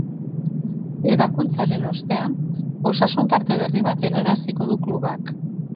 Ebakuntzaren ostean osasun parte berri bat helaraziko du klubak.